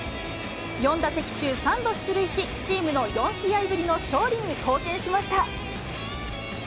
４打席中３度出塁し、チームの４試合ぶりの勝利に貢献しました。